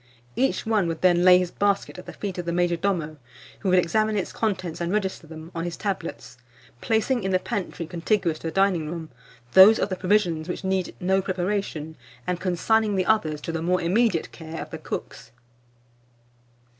Each one would then lay his basket at the feet of the major domo, who would examine its contents and register them on his tablets, placing in the pantry contiguous to the dining room, those of the provisions which need no preparation, and consigning the others to the more immediate care of the cooks.